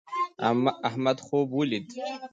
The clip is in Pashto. احمد خوب ولید